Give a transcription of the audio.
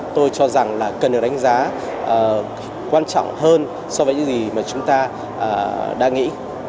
tôi cho rằng là cần được đánh giá quan trọng hơn so với những gì mà chúng ta đang nghĩ